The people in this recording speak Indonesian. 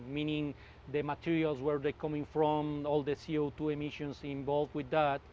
yaitu bahan bahan dari mana mereka datang semua emisi co dua yang terlibat dalamnya